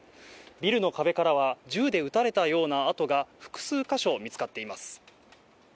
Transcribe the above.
ビルの壁からは銃で撃たれたような痕が複数箇所見つかっています。